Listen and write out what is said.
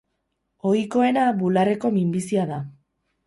Ohikoena bularreko minbizia da.